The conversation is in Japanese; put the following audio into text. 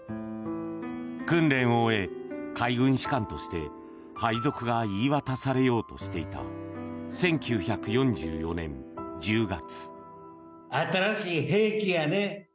訓練を終え、海軍士官として配属が言い渡されようとしていた１９４４年１０月。